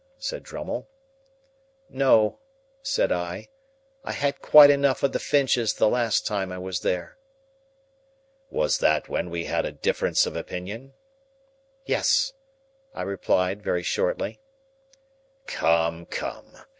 said Drummle. "No," said I, "I had quite enough of the Finches the last time I was there." "Was that when we had a difference of opinion?" "Yes," I replied, very shortly. "Come, come!